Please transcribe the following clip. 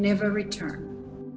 mereka yang terbentuk tidak akan kembali